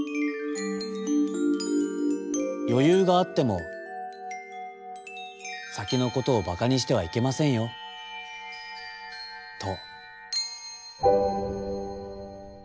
「よゆうがあってもさきのことをばかにしてはいけませんよ」と。